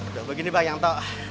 udah begini pak rt